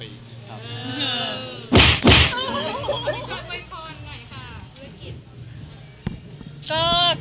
พี่จอยปล่อยพอหน่อยค่ะภื้นกิจ